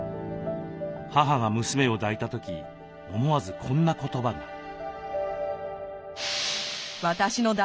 母が娘を抱いたとき思わずこんな言葉が。